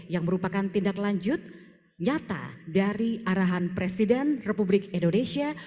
yang merupakan tindak lanjut nyata dari arahan presiden republik indonesia